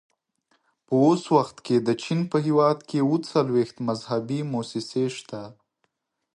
په اوس وخت کې د چین په هېواد کې اووه څلوېښت مذهبي مؤسسې شته.